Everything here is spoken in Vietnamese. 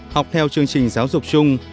học theo chương trình giáo dục chung